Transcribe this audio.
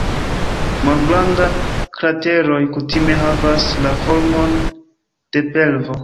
Malgrandaj krateroj kutime havas la formon de pelvo.